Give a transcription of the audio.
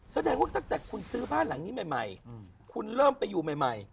แสดงว่าตั้งแต่คุณซื้อบ้านหลังนี้ใหม่คุณเริ่มไปอยู่ใหม่